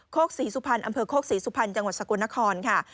กศรีสุพรรณอำเภอโคกศรีสุพรรณจังหวัดสกลนครค่ะ